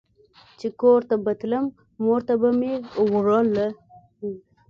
او چې کور ته به تلم مور ته به مې وړله.